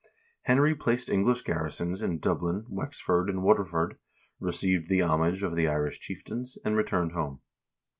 Henry placed English garrisons in Dublin, Wexford, and Waterford, received the homage of the Irish chieftains, and returned home.